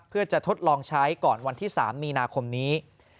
เพื่อจะทดลองใช้ก่อนวันที่๓มีนาคมนี้